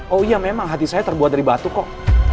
oh iya memang hati saya terbuat dari batu kok